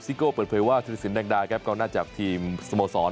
สิโก้เปิดเพลยว่าสิรษินต์แดงดาก็น่าจับทีมสมสรน